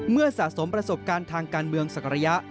สะสมประสบการณ์ทางการเมืองสักระยะ